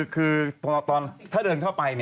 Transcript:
คืออย่างนี้คือถ้าเดินเข้าไป